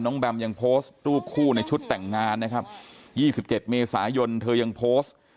น้องแบมยังโพสต์ทุกคู่ในชุดแต่งงานนะครับยี่สิบเจ็ดเมษายนเธอยังโพสต์